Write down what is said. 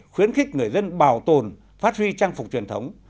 khuyến khích người dân bảo tồn phát huy trang phục truyền thống